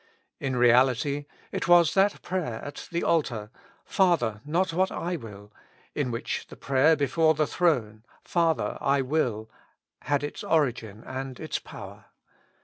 In reality it was that prayer at the altar, Father ! not what I will," in which the prayer before the throne, "Father! I will," had its origin and its power.